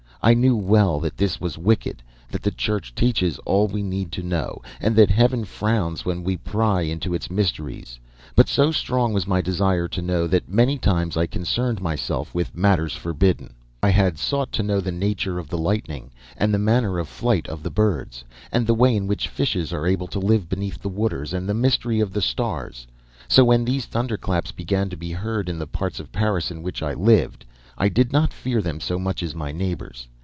I knew well that this was wicked, that the Church teaches all we need to know and that heaven frowns when we pry into its mysteries, but so strong was my desire to know, that many times I concerned myself with matters forbidden. "I had sought to know the nature of the lightning, and the manner of flight of the birds, and the way in which fishes are able to live beneath the waters, and the mystery of the stars. So when these thunderclaps began to be heard in the part of Paris in which I lived, I did not fear them so much as my neighbors.